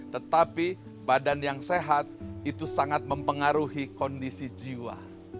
tetapi badan yang sehat itu sangat mempengaruhi kondisi jiwa